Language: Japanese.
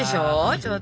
ちょっと。